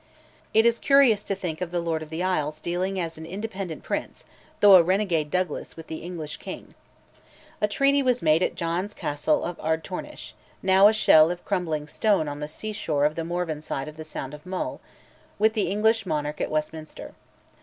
It is curious to think of the Lord of the Isles dealing as an independent prince, through a renegade Douglas, with the English king. A treaty was made at John's Castle of Ardtornish now a shell of crumbling stone on the sea shore of the Morvern side of the Sound of Mull with the English monarch at Westminster.